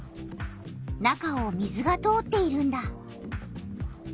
中を水が通っているんだ。